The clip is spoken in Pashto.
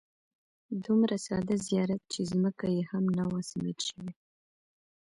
دومره ساده زیارت چې ځمکه یې هم نه وه سیمټ شوې.